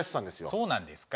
そうなんですか？